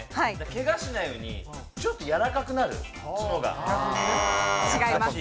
けがしないようにちょっと柔らかくなる。